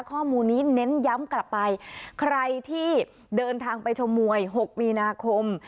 ข้อมูลนี้เน้นย้ำกลับไปใครที่เดินทางไปชมมวย๖มีนาคม